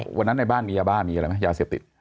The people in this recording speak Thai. วันนั้นในบ้านมียาบ้ามีอะไรไหมยาเสพติด